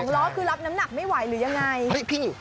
๒ล้อคือรับน้ำหนักไม่ไหวหรือยังไง